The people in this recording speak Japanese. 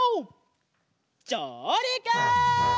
じょうりく！